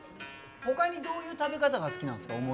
ほかにどういう食べ方好きなんですか？